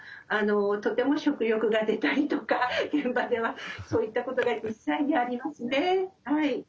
とても食欲が出たりとか現場ではそういったことが実際にありますね。